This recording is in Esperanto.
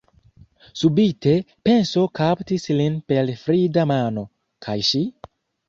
Subite penso kaptis lin per frida mano: kaj ŝi?